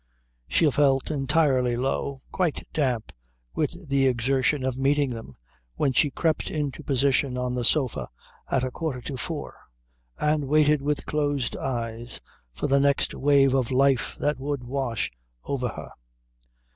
She felt entirely low, quite damp with the exertion of meeting them, when she crept into position on the sofa at a quarter to four and waited with closed eyes for the next wave of life that would wash over her.